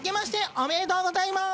おめでとうございます。